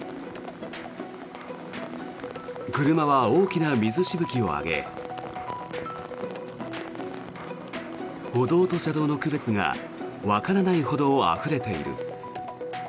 車は大きな水しぶきを上げ歩道と車道の区別がわからないほどあふれている。